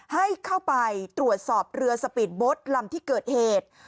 ให้เข้าไปตรวจสอบเรือสปีดโบ๊ทลำที่เกิดเหตุ